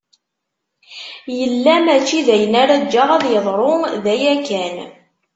Yella mačči d ayen ara ǧǧeɣ ad yeḍru, d aya kan.